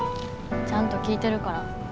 ちゃんと聞いてるから。